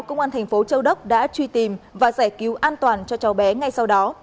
châu đốc đã truy tìm và giải cứu an toàn cho cháu bé ngay sau đó